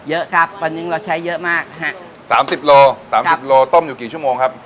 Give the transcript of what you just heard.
เยอะครับตอนนี้เราใช้เยอะมากฮะสามสิบโลสามสิบโลต้มอยู่กี่ชั่วโมงครับ